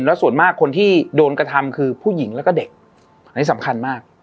แล้วส่วนมากคนที่โดนกระทำคือผู้หญิงแล้วก็เด็กอันนี้สำคัญมาก